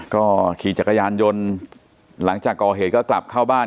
ก็ขี่จักรยานยนต์หลังจากก่อเหตุก็กลับเข้าบ้าน